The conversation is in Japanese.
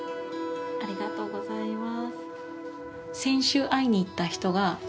ありがとうございます。